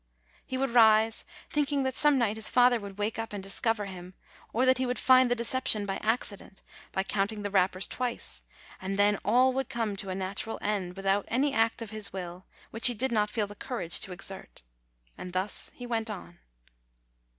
He would rise, thinking that some night his father would wake up and discover him, or that he would find the decep THE LITTLE FLORENTINE SCRIBE 77 tion by accident, by counting the wrappers twice ; and then all would come to a natural end, without any act of his will, which he did not feel the courage to exert. And thus he went on.